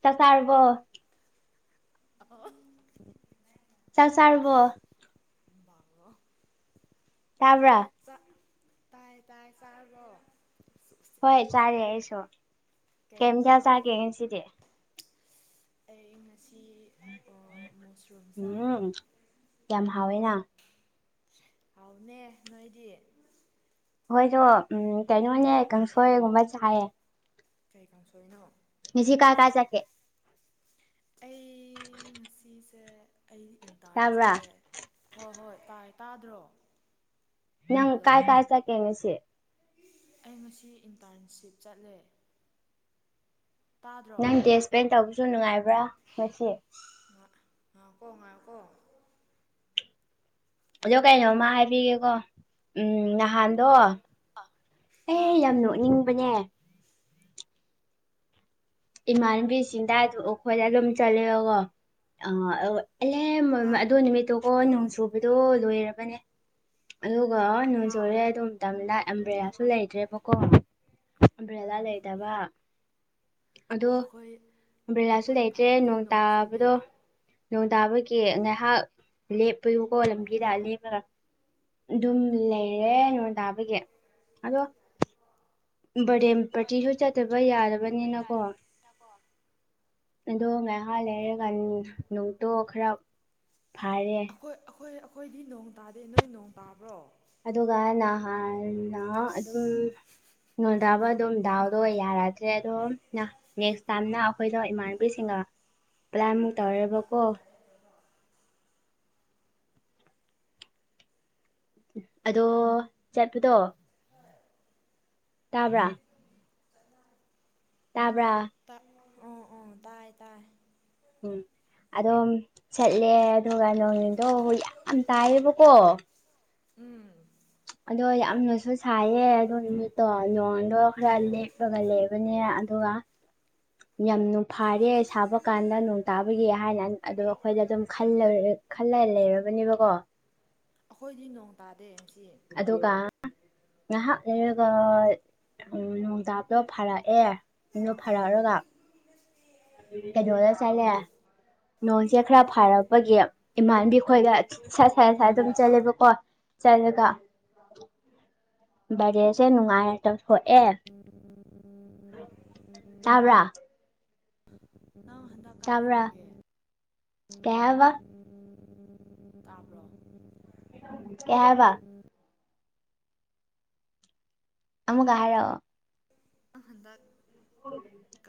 ꯆꯥꯛ ꯆꯥꯔꯕ꯭ꯔꯣ ꯑꯣ ꯆꯥꯛ ꯆꯥꯔꯕ꯭ꯔꯣ ꯑꯣ ꯆꯥꯛ ꯇꯥꯏ ꯇꯥꯏ ꯆꯥꯔꯕꯣ ꯍꯣꯏ ꯆꯥꯔꯦ ꯑꯩꯁꯨ ꯀꯩ ꯃꯊꯦꯟ ꯆꯥꯒꯦ ꯉꯁꯤꯗꯤ ꯑꯩ ꯉꯁꯤ ꯑꯥ ꯃꯨꯁꯔꯨꯝ ꯆꯥꯏ ꯎꯝ ꯌꯥꯝ ꯍꯥꯎꯋꯦꯅ ꯍꯥꯎꯅꯦ ꯅꯣꯏꯗꯤ ꯍꯣꯏꯗꯣ ꯎꯝ ꯀꯩꯅꯣꯅꯦ ꯀꯥꯡꯁꯣꯏꯒꯨꯝꯕ ꯆꯥꯏꯌꯦ ꯀꯩ ꯀꯥꯡ ꯁꯣꯔꯤꯅꯣ ꯍ ꯑꯩ ꯉꯁꯤꯁꯦ ꯑꯩ ꯏꯟꯇꯥꯔ ꯇꯥꯕ꯭ꯔꯥ ꯆꯠꯂꯦ ꯍꯣꯏ ꯍꯣꯏ ꯇꯥꯏ ꯇꯥꯗ꯭ꯔꯣ ꯅꯪ ꯍꯜꯂꯣ ꯀꯥꯏ ꯀꯥꯏ ꯆꯠ ꯀꯦ ꯉꯁꯤ ꯑꯩ ꯉꯁꯤ ꯏꯟꯇꯔꯟꯁꯤꯞ ꯆꯠꯂꯦ ꯇꯥꯗ꯭ꯔꯣ ꯅꯪ ꯗꯦ ꯏꯁꯄꯦꯟ ꯇꯧꯕꯁꯨ ꯅꯨꯡꯉꯥꯏꯕ꯭ꯔꯥ ꯉꯁꯤ ꯉ ꯉꯀꯣ ꯉꯥꯏꯀꯣ ꯑꯗꯣ ꯀꯩꯅꯣꯃ ꯍꯥꯏꯕꯤꯒꯦꯀꯣ ꯎꯝ ꯅꯍꯥꯟꯗꯣ ꯍꯥ ꯑꯦ ꯌꯥꯝ ꯅꯣꯛꯅꯤꯡꯕꯅꯦ ꯏꯃꯥꯟꯅꯕꯤꯁꯤꯡꯗ ꯑꯗꯨꯝ ꯑꯩꯈꯣꯏꯗ ꯑꯗꯨꯝ ꯆꯠꯂꯦꯕꯀꯣ ꯑ ꯑꯗꯨꯒ ꯑꯂꯦ ꯇꯥꯞ ꯑꯗꯨ ꯅꯨꯃꯤꯠꯇꯨꯀꯣ ꯍꯜꯂꯣ ꯅꯣꯡ ꯁꯨꯕꯗꯣ ꯂꯣꯏꯔꯕꯅꯦ ꯑꯗꯨ ꯑꯗꯨꯒ ꯅꯣꯡ ꯍꯥ ꯆꯨꯔꯦ ꯑꯗꯨꯝ ꯃꯇꯝ ꯗ ꯑꯝꯕ꯭ꯦꯂꯥꯁꯨ ꯂꯩꯇ꯭ꯔꯦꯕꯀꯣ ꯑꯝꯕ꯭ꯔꯦꯂꯥ ꯂꯩꯗꯕ ꯑꯗꯣ ꯑꯈꯣꯏ ꯑꯕꯔꯦꯂꯥꯁꯨ ꯑꯈꯣꯏ ꯂꯩꯇ꯭ꯔꯦ ꯏꯝꯐꯥꯜꯗꯗꯤ ꯅꯣꯡ ꯇꯥꯕꯗꯣ ꯆꯨꯗꯦ ꯅꯣꯡ ꯇꯥꯕꯒꯤ ꯉꯥꯏꯍꯥꯛ ꯂꯦꯞꯄꯦꯕꯀꯣ ꯂꯝꯕꯤꯗ ꯂꯦꯞꯄꯒ ꯑꯗꯨꯝ ꯂꯩꯔꯦ ꯅꯣꯡ ꯇꯥꯕꯒꯤ ꯑꯗꯣ ꯕꯔꯗꯦꯝ ꯄꯥꯔꯇꯤꯁꯨ ꯆꯠꯇꯕ ꯌꯥꯗꯕꯅꯤꯅꯀꯣ ꯑꯗꯣ ꯉꯥꯏꯍꯥꯛ ꯂꯩꯔꯀꯥꯟ ꯅꯣꯡꯇꯣ ꯈꯔ ꯐꯥꯔꯦ ꯑꯩꯈꯣꯏ ꯑꯩꯈꯣꯏ ꯑꯩꯈꯣꯏꯗꯤ ꯅꯣꯡ ꯇꯥꯗꯦ ꯅꯣꯏ ꯅꯣꯡ ꯇꯥꯕ꯭ꯔꯣ ꯑꯗꯨꯒ ꯅꯍꯥꯟꯅ ꯑꯗꯨꯝ ꯅꯣꯡ ꯇꯥꯕ ꯑꯗꯨꯝ ꯗꯥꯎꯗꯣ ꯌꯥꯔꯗ꯭ꯔꯦ ꯑꯗꯣꯝ ꯅꯦꯛ꯭ꯁ ꯇꯥꯏꯝꯅ ꯑꯩꯈꯣꯏꯗꯣ ꯏꯃꯥꯟꯅꯕꯤꯁꯤꯡꯒ ꯄ꯭ꯂꯥꯟꯃꯨꯛ ꯇꯧꯔꯦꯕ ꯀꯣ ꯑꯗꯣ ꯆꯠꯄꯗꯣ ꯇꯥꯕ꯭ꯔꯥ ꯇꯥ ꯇ [unintelligible] ꯇꯥꯏ ꯇꯥꯏ ꯎꯝ ꯑꯗꯣꯝ ꯆꯠꯂꯦ ꯑꯗꯨꯒ ꯅꯣꯡꯏꯗꯣ ꯌꯥꯝ ꯇꯥꯏꯌꯦꯕꯀꯣ ꯎꯝ ꯑꯗꯣ ꯌꯥꯝꯅꯁꯨ ꯁꯥꯏꯌꯦ ꯑꯗꯣ ꯅꯨꯃꯤꯠꯇꯣ ꯅꯣꯡꯗꯣ ꯈꯔ ꯂꯦꯞꯄꯒ ꯂꯩꯕꯅꯦ ꯑꯗꯨꯒ ꯑ [unintelligible] ꯌꯥꯝꯅ ꯐꯥꯔꯦ ꯁꯥꯕ ꯀꯥꯟꯗ ꯅꯣꯡ ꯇꯥꯕꯒꯤ ꯍꯥꯏꯅ ꯑꯗ‌ꯣ ꯑꯩꯈꯣꯏꯗ ꯑꯗꯨꯝ ꯈꯜꯂ ꯈꯜꯂ ꯂꯩꯔꯕꯅꯦꯕꯀꯣ ꯑꯩꯈꯣꯏꯗꯤ ꯅꯣꯡ ꯇꯥꯗꯦ ꯉꯁꯤ ꯑꯗꯨꯒ ꯉꯥꯏꯍꯥꯛ ꯂꯩꯔꯒ ꯎꯝ ꯅꯣꯡ ꯇꯥꯕꯗ‌ꯣ ꯐꯥꯔꯛꯑꯦ ꯑꯗꯨ ꯐꯔꯛꯔꯒ ꯀꯩꯅꯣꯗ ꯆꯠꯂꯦ ꯅꯣꯡꯁꯦ ꯈꯔ ꯐꯥꯔꯛꯄꯒꯤ ꯏꯃꯥꯟꯕꯤ ꯈꯣꯏꯒ ꯁꯠ ꯁꯠ ꯁꯥꯏ ꯑꯗꯨꯝ ꯆꯠꯂꯦꯕꯀꯣ ꯆꯠꯂꯒ ꯕꯔꯦꯁꯦ ꯅꯨꯡꯉꯥꯏꯅ ꯇꯧꯊꯣꯛꯑꯦ ꯇꯥꯕ꯭ꯔꯥ ꯅꯪ ꯍꯟꯗꯛ ꯀꯥꯏꯗ ꯇꯥꯕ꯭ꯔꯥ ꯂꯩꯒꯦ ꯀꯩ ꯍꯥꯏꯕ ꯇꯥꯕ꯭ꯔꯣ ꯀꯩ ꯍꯥꯏꯕ ꯑꯃꯨꯒ ꯍꯥꯏꯔꯛꯑꯣ [unintelligible] ꯍꯟꯗꯛ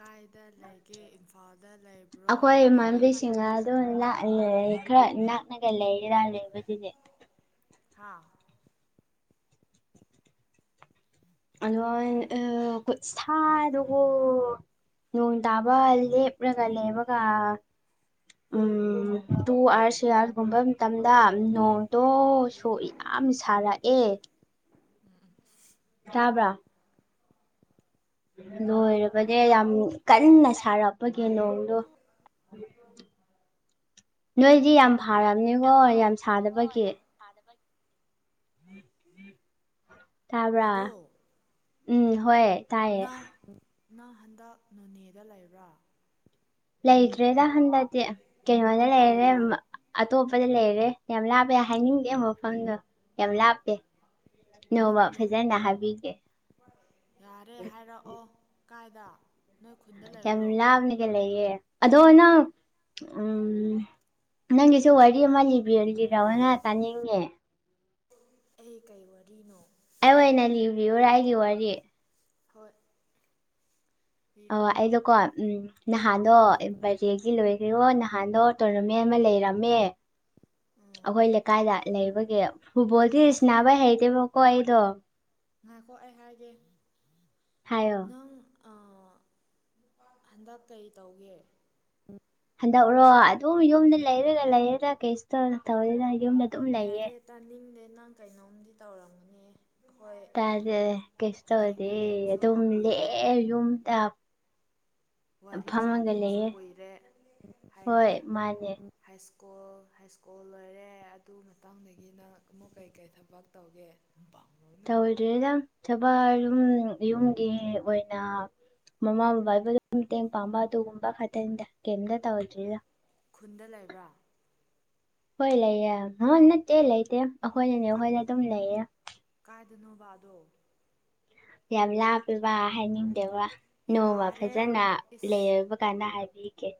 ꯀꯥꯏꯗ ꯂꯩꯒꯦ ꯏꯝꯐꯥꯜꯗ ꯂꯩꯕ꯭ꯔꯣ ꯑꯩꯈꯣꯏ ꯅꯣꯏ ꯏꯃꯥꯟꯕꯤꯁꯤꯡ ꯑꯗꯨꯝ ꯂꯥꯛꯑ ꯂꯩ ꯈꯔ ꯅꯥꯛꯅꯒ ꯂꯩꯔꯥ ꯂꯩꯕꯗꯨꯒꯤ ꯍꯥꯥ ꯑꯩ ꯑꯗ‌ꯣ [unintelligible] ꯈꯨꯠꯁꯥꯗꯣꯀ‌ꯣ ꯅꯣꯡ ꯇꯥꯕ ꯂ‌ꯦꯞꯂꯒ ꯂꯩꯕꯒ ꯎꯝ ꯇꯨ ꯑꯥꯋꯥꯔꯁ ꯊ꯭ꯔꯤ ꯑꯥꯋꯥꯔꯁꯒꯨꯝꯕ ꯃꯇꯝꯗ ꯗꯣ ꯁꯨ ꯌꯥꯝ ꯁꯥꯔꯛꯑꯦ ꯇꯥꯕ꯭ꯔꯥ ꯂꯣꯏꯔꯕꯅꯦ ꯌꯥꯝ ꯀꯟꯅ ꯁꯥꯔꯛꯄꯒꯤ ꯅꯣꯡꯗꯣ ꯅꯣꯏꯗꯤ ꯌꯥꯝ ꯐꯔꯕꯅꯦꯕꯣ ꯌꯥꯝ ꯁꯥꯗꯕꯒꯤ ꯑꯗꯣ ꯇꯥꯕ꯭ꯔꯥ ꯎꯝ ꯍꯣꯏ ꯇꯥꯏꯌꯦ ꯅꯪ ꯅꯪ ꯍꯟꯗꯛ ꯅꯣꯅꯦꯗ ꯂꯩꯕ꯭ꯔꯥ ꯂꯩꯇ꯭ꯔꯦꯗ ꯍꯟꯗꯛꯇꯤꯀꯩꯅꯣꯗ ꯂꯩꯔꯦ ꯀꯥꯏꯗ ꯑ ꯑꯇꯣꯞꯄꯗ ꯂꯩꯔꯦ ꯌꯥꯝ ꯂꯥꯞꯄꯦ ꯍꯥꯏꯅꯤꯡꯗꯦ ꯃꯐꯝꯗꯣ ꯌꯥꯝ ꯂꯥꯞꯄ‌ꯦ ꯀꯥꯏꯗꯅꯣ ꯌꯥꯔꯦ ꯍꯥꯏꯔꯛꯑꯣ ꯀꯥꯏꯗ ꯅꯣꯏ ꯈꯨꯟꯗ ꯌꯥꯝ ꯂꯩꯕ꯭ꯔꯣ ꯂꯥꯞꯅꯤꯒ ꯂꯩꯌꯦ ꯑꯗꯣ ꯅꯪ ꯎꯝ ꯅꯪꯒꯤꯁꯨ ꯋꯥꯔꯤ ꯑꯃ ꯂꯤꯕꯤꯔ ꯂꯤꯔꯛꯑꯣꯅ ꯇꯥꯅꯤꯡꯉꯦ ꯑꯩ ꯀꯩ ꯋꯥꯔꯤꯅꯣ ꯑꯩ ꯑꯣꯏꯅ ꯂꯤꯕꯤꯌꯨꯔꯥ ꯑꯩꯒꯤ ꯋꯥꯔꯤ ꯍꯣꯏ ꯑꯣ ꯂꯤꯔꯛꯑꯣ ꯑꯩꯗꯣꯀꯣ ꯎꯝ ꯅꯍꯥꯟꯗꯣ ꯕꯔꯦꯒꯤ ꯂꯣꯏ ꯌ‌ꯣ ꯅꯍꯥꯟꯗꯣ ꯇꯧꯔꯝꯃꯦ ꯑꯃ ꯂꯩꯔꯝꯃꯦ ꯑꯣ ꯑꯩꯈꯣꯏ ꯂꯩꯀꯥꯏꯗ ꯂꯩꯕꯒꯤ ꯐꯨꯠꯕꯣꯜꯗꯤ ꯉꯥꯈꯣ ꯁꯟꯅꯕ ꯍꯩꯇꯦꯕꯀꯣ ꯑꯩꯗꯣ ꯉꯥꯏꯈꯣ ꯑꯩ ꯍꯥꯏꯒꯦ ꯍꯥꯏꯌꯣ ꯅꯪ ꯑꯥ ꯍꯟꯗꯛ ꯀꯔꯤ ꯇꯧꯒꯦ ꯍꯟꯗꯛꯔꯣ ꯑꯗꯨꯝ ꯌꯨꯝꯗ ꯂꯩꯔꯒ ꯂꯩꯔꯒ ꯀꯩꯁꯨ ꯇꯧꯔ ꯇꯧꯋꯦꯅ ꯌꯨꯝ ꯑꯗꯨꯝ ꯂꯩꯌꯦ ꯌꯥꯔꯦ ꯇꯥꯅꯤꯡꯗꯦ ꯅꯪ ꯀꯩꯅꯣꯝꯗꯤ ꯇꯧꯔꯝꯒꯅꯦ ꯇꯥꯔꯦ ꯀꯁ ꯇꯧ ꯑꯣꯏꯗꯤꯦ ꯑꯗꯨ ꯊꯦꯡꯅꯗꯕꯁꯨ ꯑꯗꯨꯝ ꯀꯨꯏꯔꯦ ꯂꯩꯦ ꯌꯨꯝ ꯇ ꯋꯥꯔꯤ ꯁꯥꯗꯕꯁꯨ ꯀꯨꯏꯔꯦ ꯍꯣꯏ ꯍꯥꯏꯔꯛꯑꯣ ꯃꯥꯅꯦ ꯍꯥꯏ ꯁ꯭ꯀꯨꯜ ꯍꯥꯏ ꯁ꯭ꯀꯨꯜ ꯂꯣꯏꯔꯦ ꯑꯗꯨ ꯃꯇꯥꯡꯗꯒꯤ ꯅꯪ ꯑꯃꯨꯛ ꯀꯩꯀꯩ ꯊꯕꯛ ꯇꯧꯒꯦ ꯑꯗꯨ ꯄ ꯇꯧꯗ꯭ꯔꯦꯗ ꯊꯕ ꯌꯨꯝ ꯌꯨꯝꯒꯤ ꯑꯣꯏꯅ ꯃꯃꯥ ꯕꯕꯥꯕꯨꯗ ꯃꯇꯦꯡ ꯄꯥꯡꯕ ꯑꯗꯨꯒꯨꯝꯕ ꯈꯛꯇꯅꯤꯗ ꯀꯩꯝꯇ ꯇꯧꯗ꯭ꯔꯤꯅ ꯈꯨꯟꯗ ꯂꯩꯕ꯭ꯔꯥ ꯍꯣꯏ ꯂꯩꯌꯦꯦ ꯅꯠꯇꯦ ꯂꯩꯇꯦ ꯑꯩꯈꯣꯏꯅꯅꯦ ꯑꯩꯈꯣꯏꯅ ꯑꯗꯨꯝ ꯂꯩꯌꯦ ꯑꯗꯨꯅꯕꯗꯣ ꯌꯥꯝ ꯂꯥꯞꯄꯦꯕ ꯍꯥꯏꯅꯤꯡꯗꯦꯕ ꯅꯣꯡꯃ ꯌꯥꯔꯦ ꯐꯖꯅ ꯏꯁ ꯂꯩꯕ ꯀꯥꯟꯗ ꯍꯥꯏꯕꯤꯒꯦ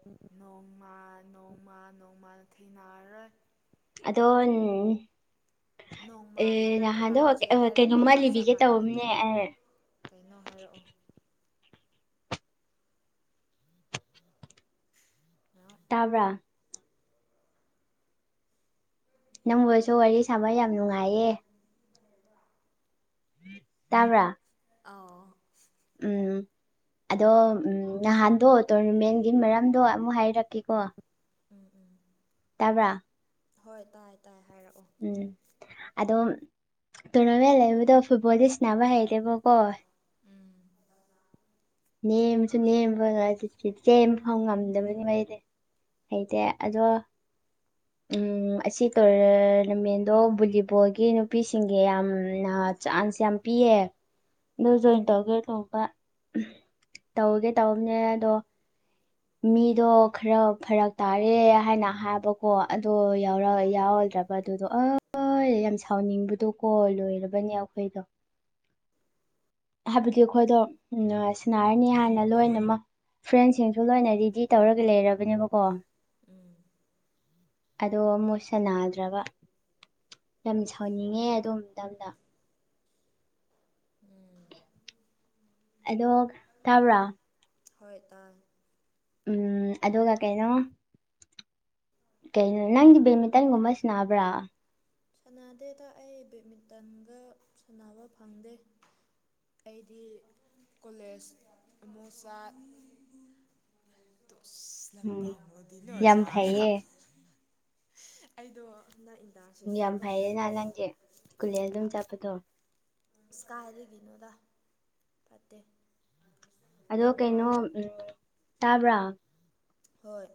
ꯣꯡ ꯃꯥ ꯅꯣꯡꯃ ꯅꯣꯡꯃ ꯅ ꯊꯤꯅꯔꯣꯏ ꯑꯗꯣ ꯅꯣꯡꯃ ꯑꯦ ꯍꯥꯏꯔꯛꯄꯒ ꯅꯍꯥꯟꯗꯣ ꯍꯧꯖꯤꯛ ꯀꯩꯅꯣꯝꯃ ꯍꯥꯏꯔꯛꯄꯒ ꯆꯞ ꯂꯤꯕꯤꯒꯦ ꯃꯥꯟꯅꯩ ꯇꯧꯕꯅꯦ ꯑꯦ ꯀꯩꯅꯣ ꯍꯥꯏꯔꯛꯑꯣ ꯉꯥꯏꯍꯥꯛ ꯇꯥꯕ꯭ꯔꯥ ꯅꯪꯕꯨꯁꯨ ꯋꯥꯔꯤ ꯁꯥꯕ ꯌꯥꯝ ꯅꯨꯡꯉꯥꯏꯌꯦ ꯇꯥꯕ꯭ꯔꯥ ꯑꯥꯎ ꯎꯝ ꯑꯗꯣ ꯎꯝ ꯅꯍꯥꯟꯗꯣ ꯇꯣꯔꯅꯃꯦꯟꯒꯤ ꯃꯔꯝꯗꯣ ꯑꯃꯨꯛ ꯍꯥꯏꯔꯛ ꯀ ꯀꯣ ꯎꯝ ꯎꯝ ꯑꯦꯕꯔ ꯍꯣꯏ ꯇꯥꯏꯌꯦ ꯇꯥꯏꯌꯦ ꯎꯝ ꯑꯗꯣ ꯇꯣꯔꯅꯥꯃꯦꯟ ꯂꯩꯕꯗꯣ ꯐꯨꯠꯕꯣꯜꯗ ꯁꯤꯕ ꯍꯩꯔꯦꯕꯀꯣ ꯎꯝ ꯅꯦꯝꯕꯁꯨ ꯅꯦꯝꯕ ꯉ ꯆꯦꯝꯕ ꯐꯥꯎ ꯉꯝꯗꯕꯅꯤ ꯃꯩꯗꯤ ꯍꯩꯇꯦ ꯑꯗꯣ ꯎꯝ ꯑꯁꯤ ꯇꯣꯔꯅꯃꯦꯟꯗꯣ ꯚꯣꯂꯤꯕꯣꯜꯒꯤ ꯅꯨꯄꯤꯁꯤꯡꯒꯤ ꯌꯥꯝꯅ ꯆꯥꯟꯁ ꯌꯥꯝ ꯄꯤꯌꯦ ꯑꯗꯣ ꯎꯝ ꯖꯣꯏꯟ ꯇꯧꯒꯦ ꯇꯧꯕ ꯇꯧꯒꯦ ꯇꯧꯅꯦ ꯑꯗꯣ ꯃꯤꯗꯣ ꯈꯔ ꯐꯔꯛ ꯇꯥꯔꯦ ꯍꯥꯏꯅ ꯍꯥꯏꯕꯀꯣ ꯑꯗꯣ ꯌꯥꯔ ꯎꯝ ꯌꯥ ꯅꯠꯇ꯭ꯔꯕ ꯑꯗꯨꯗꯣ ꯑꯩ ꯌꯥꯝ ꯁꯥꯎꯅꯤꯡꯕꯗꯣꯀꯣ ꯂꯣꯏꯔꯕꯅꯦ ꯑꯩꯈꯣꯏꯗꯣ ꯍꯥꯏꯕꯗꯤ ꯑꯩꯈꯣꯏꯗꯣ ꯎ ꯁꯤꯟꯅꯔꯅꯤ ꯍꯥꯏꯥꯟꯅ ꯂꯣꯏꯅꯃꯛ ꯐ꯭ꯔꯦꯟꯁꯤꯡꯁꯨ ꯂꯣꯏꯅ ꯔꯦꯗꯤ ꯇꯧꯔꯒ ꯂꯩꯔꯕꯅꯦꯕꯀꯣ ꯎꯝ ꯑꯗꯣ ꯃꯨꯠꯁꯅꯥꯗ꯭ꯔꯕ ꯌꯥꯝ ꯁꯥꯎꯟꯅꯤꯡꯉꯦ ꯑꯗꯣꯝ ꯇꯝꯅ ꯎꯝ ꯑꯗꯣ ꯊꯥꯕ꯭ꯔꯥ ꯍꯣꯏ ꯇ ꯎꯝ ꯑꯗꯨꯒ ꯀꯩꯅꯣ ꯀꯩꯅꯣ ꯅꯪꯗꯤ ꯕꯦꯠꯃꯤꯟꯇꯟꯒꯨꯝꯕ ꯁꯤꯕ꯭ꯔꯥ ꯁꯥꯟꯅꯗꯦꯗ ꯑꯩ ꯕꯦꯠꯃꯤꯟꯇꯟꯒ ꯁꯥꯟꯅꯕ ꯐꯪꯗꯦ ꯑꯩꯗꯤ ꯀꯣꯂꯦꯖ ꯃꯨꯛꯆꯥ [unintelligible] [inaudible] ꯑꯁ ꯎꯝ ꯂꯝꯄꯥꯛꯂꯗꯤ ꯅꯣ ꯌꯥꯝ ꯁꯥꯔ ꯐꯩꯌꯦ ꯑꯩꯗꯣ ꯅ ꯏꯟꯗꯥꯁꯤ ꯆꯠ ꯚꯥꯏꯔꯦ ꯅꯍꯥꯟ ꯅꯪꯒꯤꯦ ꯀꯨꯂꯦꯦꯟ ꯑꯗꯨꯝ ꯆꯠꯄꯗꯣ ꯁꯀꯥꯏ ꯑꯗꯤ ꯅꯣ ꯂ ꯐꯠꯇꯦ ꯑꯗꯣ ꯌꯥꯝ ꯀꯩꯅꯣ ꯋꯥꯏ ꯎꯝ ꯇꯥꯕ꯭ꯔꯥ ꯍꯣꯏ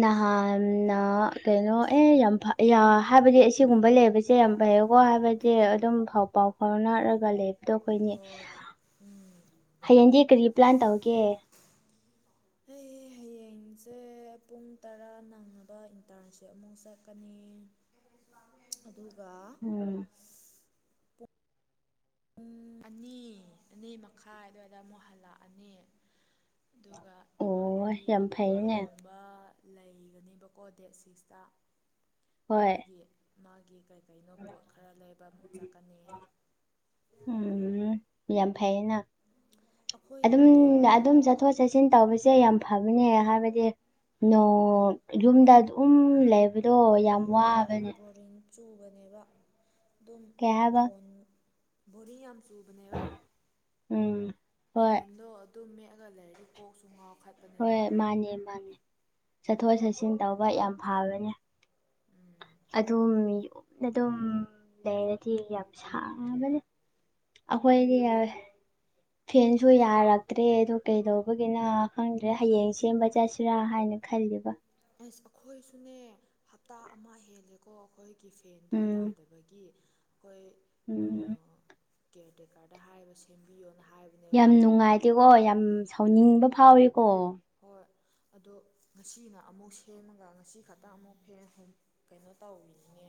ꯅꯍꯥꯟꯅ ꯀꯩꯅꯣ ꯑꯦ ꯌꯥꯝ ꯍꯥꯏꯕꯗꯤ ꯑꯁꯤꯒꯨꯝꯕ ꯂꯩꯕꯁꯦ ꯌꯥꯝ ꯚꯏꯌꯣꯒꯣ ꯍꯥꯏꯕꯗꯤ ꯑꯗꯨꯝ ꯐꯥꯎ ꯄꯥꯎ ꯐꯥꯎꯅꯅꯥꯔꯒ ꯂꯩꯕ ꯑꯗꯣ ꯑꯩꯈꯣꯏꯅꯦ ꯍꯣꯏ ꯎꯝ ꯍꯌꯦꯡꯗꯤ ꯀꯔꯤ ꯄ꯭ꯂꯥꯟ ꯇꯧꯒꯦ ꯑꯩ [unintelligible] ꯍꯌꯦꯡꯁꯦ ꯄꯨꯡ ꯇꯔꯥ ꯅꯪꯅꯕ ꯏꯟꯇꯔꯟꯁꯤꯞ ꯑꯃꯨꯛ ꯆꯠꯀꯅꯤ ꯑꯗꯨꯒ ꯎꯝ ꯄꯨꯡ ꯑꯅꯤ ꯑꯅꯤ ꯃꯈꯥꯏ ꯑꯗꯨꯋꯥꯏꯗ ꯑꯃꯨ ꯍꯜꯂꯛꯑꯅꯤ ꯑꯗꯨꯒ ꯑꯣ ꯏꯃꯥꯟꯅꯕꯤ ꯌꯥꯝ ꯐꯩꯅꯦ ꯂꯨꯍꯣꯡꯕ ꯂꯩꯒꯅꯦꯕꯀꯣ ꯗꯦꯠ ꯁꯤꯛꯁꯇ ꯍꯣꯏ ꯑꯗꯨꯒꯤ ꯃꯥꯒꯤ ꯀꯩ ꯀꯩꯅꯣ ꯄꯣꯠ ꯈꯔ ꯂꯩꯕ ꯑꯃꯨꯛ ꯆꯠꯀꯅꯤ ꯎꯝ ꯌꯦ ꯐꯌꯦꯅ ꯑꯗꯨꯝ ꯑꯩꯈꯣꯏꯗꯗꯤ ꯍꯟꯗꯛ ꯑꯗꯨꯝ ꯆꯠꯊꯣꯛ ꯆꯠꯁꯤꯟ ꯇꯧꯕꯁꯦ ꯌꯥꯝ ꯐꯥꯅꯦ ꯍꯥꯏꯍꯕꯗꯤ ꯅ ꯌꯨꯝꯗ ꯑꯗꯨꯝ ꯂꯩꯕꯗꯣ ꯌꯥꯝ ꯍꯣꯏ ꯍꯣꯏ ꯍꯣꯏ ꯋꯥꯕꯅꯦ ꯕꯣꯔꯤꯡ ꯆꯨꯕꯅꯦꯕ ꯑꯗꯨꯝ ꯀꯩ ꯍꯥꯏꯕ ꯐꯣꯟ ꯕꯣꯔꯤ ꯌꯥꯝ ꯆꯨꯕꯅꯦꯕ ꯎꯝ ꯍꯣꯏ ꯐꯣꯟꯗꯣ ꯑꯗꯨꯝ ꯃꯦꯛꯑꯒ ꯂꯩꯔꯗꯤ ꯀꯣꯛꯁꯨ ꯉꯥꯎ ꯍꯣꯏꯣꯏ ꯃꯥꯅꯤ ꯃꯥꯅꯦ ꯆꯠꯊꯣꯛ ꯆꯠꯁꯤꯟ ꯇꯧꯕ ꯌꯥꯝ ꯐꯕꯅꯦ ꯑꯗꯨꯝ ꯌꯨꯝꯅ ꯑꯗꯨꯝ ꯂꯩꯔꯗꯤ ꯌꯥꯝ ꯁꯥꯕꯅꯦ ꯑꯩꯈꯣꯏꯗꯤ ꯐꯦꯟꯁꯨ ꯑꯩꯈꯣꯏ ꯌꯥꯔꯛꯇ꯭ꯔꯦ ꯑꯗꯨ ꯀꯩꯗꯧꯕ ꯒꯤꯅ ꯈꯪꯗ꯭ꯔꯦ ꯍꯌꯦꯡ ꯁꯦꯝꯕ ꯆꯠꯁꯤꯔꯥ ꯍꯥꯏꯅ ꯈꯜꯂꯤꯕ ꯁ ꯑꯩꯈꯣꯏꯁꯨꯅꯦ ꯍꯞꯇꯥ ꯑꯃ ꯍꯦꯜꯂꯦꯀꯣ ꯑꯩꯈꯣꯏ ꯀꯤ ꯐꯦꯟꯗꯣ ꯎꯝ ꯌꯥꯗꯕꯒꯤ ꯎꯝ ꯀꯦꯌꯔ ꯇꯦꯀꯥꯔꯗ ꯍꯥꯏꯕ ꯁꯦꯝꯕꯤꯌꯣꯅ ꯍꯥꯏꯕꯅꯦꯕ ꯌꯥꯝ ꯅꯨꯡꯉꯥꯏꯇꯦꯀꯣ ꯌꯥꯝ ꯁꯥꯎꯅꯤꯡꯕ ꯐꯥꯎꯋꯀꯣ ꯍꯣꯏ ꯑꯗꯣ ꯉꯁꯤꯅ ꯑꯃꯨꯛ ꯁꯦꯝꯃꯒ ꯉꯁꯤ ꯈꯛꯇꯪ ꯑꯃꯨꯛ ꯐꯦꯟ ꯀꯩꯅꯣ ꯇꯧꯔꯤꯅꯤꯉꯦ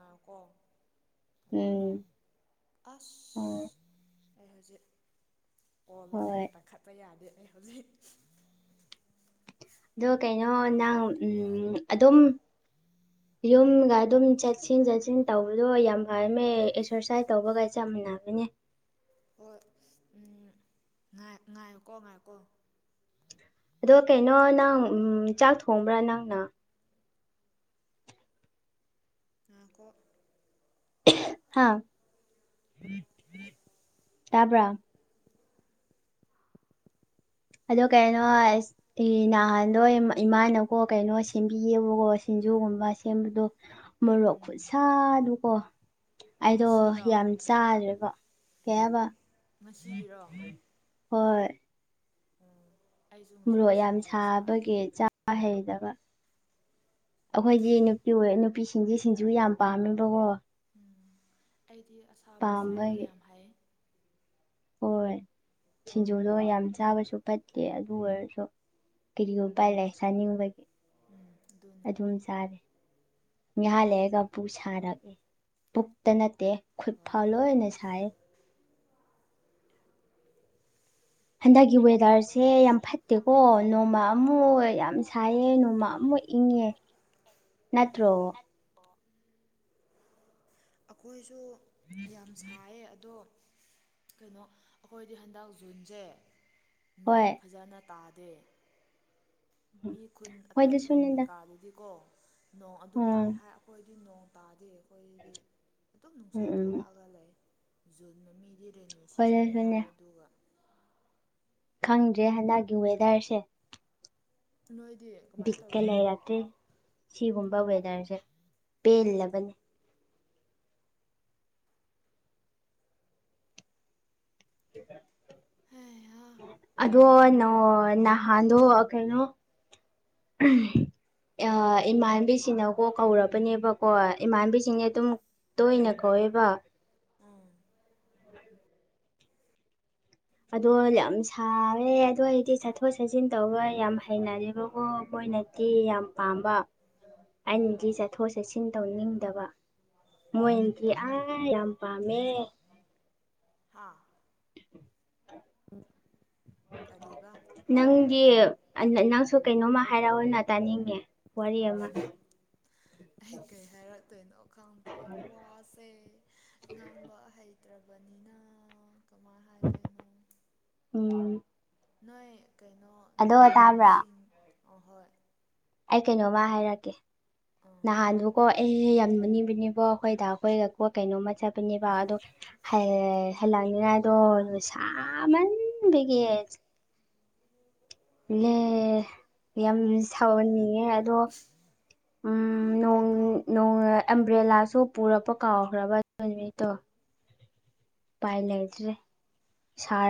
ꯑꯥ ꯀꯣ ꯀꯅꯥꯅꯣ ꯎꯝ ꯑꯁ ꯎꯝ ꯑꯩ ꯍꯧꯖꯤꯛ ꯑꯣꯜꯂ ꯑꯩ ꯍꯣꯏ ꯉꯥꯛꯛꯇ ꯈꯠꯇ ꯌꯥꯗꯦ ꯑꯩ ꯍꯧꯖꯤꯛ ꯑꯗꯣ ꯀꯩꯅꯣ ꯅꯪ ꯎꯝ ꯑꯗꯨꯝ ꯌꯨꯝꯒ ꯑꯗꯨꯝ ꯆꯠꯁꯤꯟ ꯆꯠꯁꯤꯟ ꯇꯧꯕꯗꯣ ꯌꯥꯝ ꯐꯔꯝꯃꯦ ꯑꯦꯛꯁꯔꯁꯥꯏꯖ ꯇꯧꯕꯒꯁꯦ ꯌꯥꯝ ꯅꯦꯦ ꯍꯣꯏ ꯎꯝ ꯉꯥꯏ ꯉꯥꯏ ꯀꯣ ꯉꯥꯏ ꯀꯣ ꯑꯗꯣ ꯀꯩꯅꯣ ꯅꯪ ꯆꯥꯛ ꯊꯣꯡꯕ꯭ꯔꯥ ꯅꯪꯅ ꯉ ꯀꯣ ꯍꯥ ꯇꯥꯕ꯭ꯔꯥ ꯑꯗꯣ ꯀꯩꯅꯣꯁ ꯅꯍꯥꯟꯋꯥꯣꯏ ꯏꯃꯥꯅꯀꯣ ꯀꯩꯅꯣ ꯁꯦꯝꯕꯤꯌꯦꯕꯀꯣ ꯁꯤꯡꯖꯨꯒꯨꯝꯕ ꯁꯦꯝꯕꯗꯣ ꯃꯣꯔꯣꯛ ꯈꯨꯠꯁꯥꯗꯨꯀꯣ ꯑꯩꯗꯣ ꯉꯁꯤꯔꯣ ꯌꯥꯝ ꯆꯥꯗ꯭ꯔꯦꯕ ꯀꯌꯥꯕ ꯉꯁꯤꯒꯤꯔꯣ ꯍꯣꯏ ꯑꯩꯁꯨ ꯃꯣꯔꯣꯛ ꯉꯁꯥꯏ ꯌꯥꯝ ꯁꯤꯡꯖꯨ ꯆꯥꯔꯦ ꯁꯥꯕꯒꯤ ꯆꯥ ꯍꯩꯗꯕ ꯑꯩꯈꯣꯏꯗꯤ ꯅꯨꯄꯤ ꯑꯣꯏ ꯅꯨꯄꯤꯁꯤꯡꯖꯦ ꯁꯤꯡꯖꯨ ꯌꯥꯝ ꯄꯥꯝꯃꯦꯕꯀꯣ ꯑꯩꯗꯤ ꯑꯁꯥꯕ ꯆꯥꯕ ꯄꯥꯝꯕꯒꯤ ꯌꯥꯝ ꯍꯥꯏ ꯍꯣꯏ ꯁꯤꯡꯖꯨꯗꯣ ꯌꯥꯝ ꯆꯥꯕꯁꯨ ꯐꯠꯇꯦ ꯑꯗꯨ ꯑꯣꯏꯔꯁꯨ ꯀꯔꯤ ꯎꯄꯥꯏꯂꯩ ꯆꯥꯅꯤꯡꯕꯒꯤ ꯎꯝ ꯑꯗꯨꯅꯦ ꯑꯗꯨꯝ ꯆꯥꯔꯦ ꯉꯍꯥ ꯂꯩꯔꯒ ꯄꯨꯛ ꯁꯥꯔꯛꯑꯦ ꯄꯨꯛꯇ ꯅꯠꯇꯦ ꯈꯨꯠ ꯍꯣꯏ ꯐꯥꯎ ꯂꯣꯏꯅ ꯁꯥꯏꯌꯦ ꯍꯟꯗꯛꯀꯤ ꯋꯦꯗꯔꯁꯦ ꯌꯥꯝ ꯐꯠꯇꯦꯀꯣ ꯅꯣꯡꯃ ꯑꯃꯨꯛ ꯌꯥꯝ ꯁꯥꯏꯌꯦ ꯅꯣꯡꯃ ꯑꯃꯨꯛ ꯏꯪ ꯏꯪꯉꯦ ꯅꯠꯇ꯭ꯔꯣ ꯑꯈꯣꯏꯁꯨ ꯌꯥꯝ ꯁꯥꯏꯌꯦ ꯑꯗꯣ ꯀꯩꯅꯣ ꯑꯩꯈꯣꯏꯗꯤ ꯍꯟꯗꯛ ꯖꯨꯟꯁꯦ ꯍꯣꯏ ꯅꯣꯡ ꯐꯖꯅ ꯇꯥꯗꯦ ꯃꯤ ꯈꯨꯟ ꯑꯇꯥꯏ ꯈꯨꯟ ꯈꯣꯏꯗꯁꯨꯅꯤꯗ ꯀꯩꯀꯥꯗꯗꯤꯀꯣ ꯅꯣꯡ ꯑꯗꯨꯝ ꯎꯝ ꯇꯥꯏ ꯍꯥꯏ ꯑꯩꯈꯣꯏꯗꯤ ꯅꯣꯡ ꯇꯥꯗꯤ ꯑꯩꯈꯣꯏꯗꯤ ꯑꯗꯨꯝ ꯎꯝ ꯅꯨꯡꯁꯥ ꯎꯝ ꯊꯣꯛꯂꯛꯑꯒ ꯂꯩ ꯖꯨꯟ ꯃꯃꯤꯗꯤ ꯔꯦꯅꯤ ꯁꯤꯖꯟꯅꯦ ꯈꯣꯏꯗꯁꯨꯅꯦ ꯍꯥꯏ ꯑꯗꯨꯒ ꯈꯪꯗ꯭ꯔꯦ ꯍꯟꯗꯛꯀꯤ ꯋꯦꯗꯔꯁꯦ ꯅꯣꯏꯗꯤ ꯀꯃꯥꯏꯅ ꯕꯤꯠꯀ ꯇꯧꯒꯦ ꯂꯩꯔꯛꯇ꯭ꯔꯦ ꯁꯤꯒꯨꯝꯕ ꯋꯦꯗꯔꯁꯦ ꯄꯦꯜꯂꯕꯅꯦ ꯍꯩꯍꯥ ꯑꯗꯣ ꯅꯣ ꯈꯪꯗ꯭ꯔꯦ ꯅꯍꯥꯟ ꯑꯗꯣ ꯀꯩꯅꯣ ꯏꯌꯥ ꯏꯃꯥꯟꯕꯤꯁꯤꯅꯀꯣ ꯀꯧꯔꯕꯅꯦꯕꯀꯣ ꯏꯃꯥꯟꯕꯤꯁꯤꯡꯅꯦ ꯑꯗꯨꯝ ꯇꯣꯏꯅ ꯀꯧꯋꯦꯕ ꯎꯝ ꯑꯗꯣ ꯌꯥꯝ ꯁꯥꯔꯦ ꯑꯗꯣ ꯑꯩꯗꯤ ꯆꯠꯊꯣꯛ ꯆꯠꯁꯤꯟ ꯇꯧꯕ ꯌꯥꯝ ꯍꯩꯅꯔꯦꯕꯀꯣ ꯑꯣꯏꯅꯗꯤ ꯌꯥꯝ ꯄꯥꯝꯕ ꯑꯩꯅꯒꯤ ꯆꯠꯊꯣꯛ ꯆꯠꯁꯤꯟ ꯇꯧꯅꯤꯡꯗꯕ ꯃꯣꯏꯟꯗꯤ ꯑꯥ ꯌꯥꯝ ꯄꯥꯝꯃꯦ ꯍꯥꯥ ꯑꯟꯑꯣꯗꯤꯕꯜ ꯎꯝ ꯅꯪꯗꯤ ꯑ ꯅꯪꯁꯨ ꯀꯩꯅꯣꯝꯃ ꯍꯥꯏꯔꯛꯑꯣꯅ ꯇꯥꯅꯤꯡꯉꯦ ꯋꯥꯔꯤ ꯑꯃ ꯑꯩ ꯀꯩ ꯍꯥꯏꯔꯛꯇꯣꯏꯅꯣ ꯈꯪꯗ꯭ꯔꯦ ꯋꯥꯁꯦ ꯉꯥꯡꯕ ꯍꯩ ꯇ꯭ꯔꯕꯅꯤꯅ ꯀꯃꯥꯏ ꯍꯥꯏꯗꯣꯏꯅꯣ ꯎꯝ ꯅꯣꯏ ꯀꯩꯅꯣ ꯑꯗꯣ ꯇꯥꯕ꯭ꯔꯥ ꯅꯃꯥꯟꯅꯕꯤꯁꯤꯡ ꯑꯍꯣꯏ ꯑꯩ ꯀꯩꯅꯣꯃ ꯍꯥꯏꯔꯛꯀꯦ ꯑꯥ ꯅꯍꯥꯟꯗꯨꯀꯣ ꯑꯩ ꯌꯥꯝ ꯄꯤꯅꯦꯕ ꯑꯈꯣꯏ ꯗꯥꯈꯣꯏꯒ ꯄꯣꯠ ꯀꯩꯅꯣꯝꯃ ꯆꯠꯄꯅꯦꯕ ꯑꯗꯣ ꯗꯣ ꯁꯥꯃꯥꯟꯕ ꯒꯦ ꯅꯦ ꯌꯥꯝ ꯁꯥꯎꯍꯟꯅꯤꯡꯉꯦ ꯑꯗꯣ ꯑꯝ ꯅꯣꯡ ꯀꯩꯅꯣ ꯅꯣꯡ ꯑꯝꯕ꯭ꯔꯦꯂꯥꯁ ꯁꯨ ꯄꯨꯔꯛꯄ ꯀꯥꯎꯈ꯭ꯔꯕ ꯅꯨꯃꯤꯠꯇꯨ ꯄꯥꯏ ꯂꯩꯇ꯭ꯔꯦ ꯁꯥꯔ ꯀꯩ